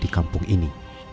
di kampung ini